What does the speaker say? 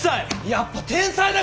やっぱ天才だ！